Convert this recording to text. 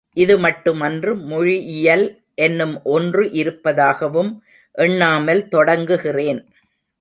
இது மட்டுமன்று மொழியியல் என்னும் ஒன்று இருப்பதாகவும் எண்ணாமல் தொடங்குகிறேன்.